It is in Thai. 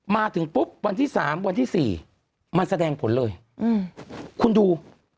มาถึงปุ๊บวันที่๓วันที่๔มันแสดงผลเลยคุณดู